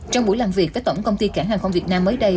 trong buổi làm việc với tổng công ty cảng hàng không việt nam mới đây